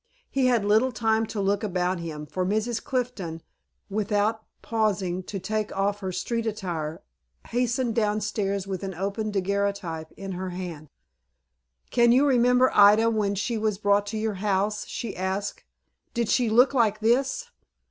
He had little time to look about him, for Mrs. Clifton, without pausing to take off her street attire, hastened down stairs with an open daguerreotype in her hand. "Can you remember Ida when she was brought to your house?" she asked. "Did she look like this?"